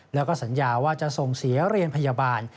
แล้วก็สัญญาว่าจะส่งเสียเรียนพยาบาล